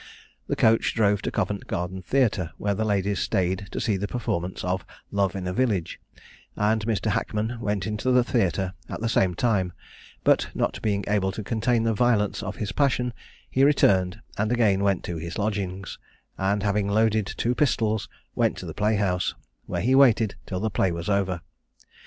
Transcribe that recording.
The coach drove to Covent Garden Theatre, where the ladies stayed to see the performance of "Love in a Village," and Mr. Hackman went into the theatre at the same time; but not being able to contain the violence of his passion, he returned, and again went to his lodgings, and having loaded two pistols went to the playhouse, where he waited till the play was over.